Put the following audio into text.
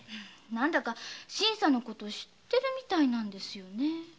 新さんのこと知ってるみたいなんですよね。